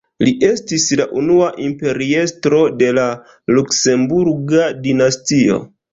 Li estis la unua imperiestro de la Luksemburga dinastio.